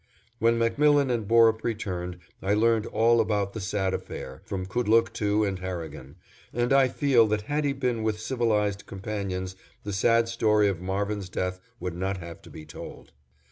When MacMillan and Borup returned, I learned all about the sad affair, from Kudlooktoo and Harrigan, and I feel that had he been with civilized companions the sad story of Marvin's death would not have to be told.